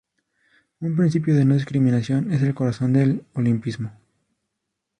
Un principio de no discriminación es el corazón del Olimpismo.